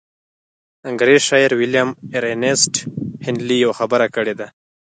انګرېز شاعر ويليام ايرنيسټ هينلي يوه خبره کړې ده.